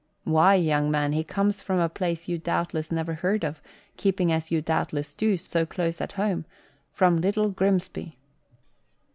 "Why, young man, he comes from a place you doubtless never heard of, keeping as you doubtless do, so close at home: from Little Grimsby."